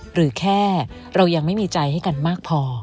หรือแค่เรายังไม่มีใจให้กันมากพอ